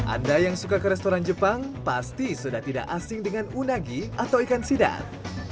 anda yang suka ke restoran jepang pasti sudah tidak asing dengan unagi atau ikan sidat